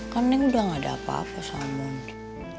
kan nek sudah tidak ada apa apa sama kemod